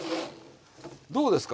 どうですか？